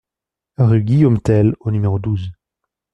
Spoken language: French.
Rue Guillaume Tell au numéro douze